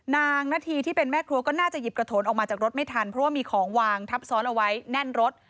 นาธีที่เป็นแม่ครัวก็น่าจะหยิบกระโถนออกมาจากรถไม่ทันเพราะว่ามีของวางทับซ้อนเอาไว้แน่นรถ